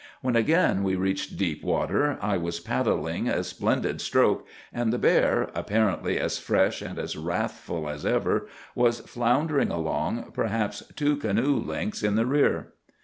When again we reached deep water I was paddling a splendid stroke, and the bear, apparently as fresh and as wrathful as ever, was floundering along perhaps two canoe lengths in the rear.